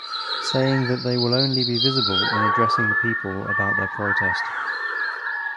Saying that they will only be visible in addressing the people about their protest.